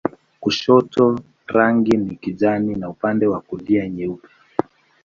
Kushoto rangi ni kijani na upande wa kulia nyeupe.